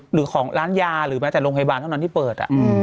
หรือของร้านยาหรือแม้แต่โรงพยาบาลเท่านั้นที่เปิด